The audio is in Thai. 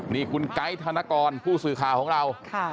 นี่คุณไก๊ธนกรผู้สื่อข่าวของเรา